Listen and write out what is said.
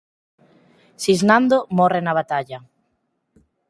Sisnando morre na batalla.